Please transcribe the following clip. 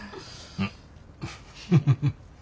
うん。